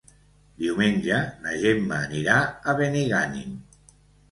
Diumenge na Gemma anirà a Benigànim.